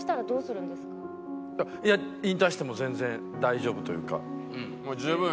いや引退しても全然大丈夫というか。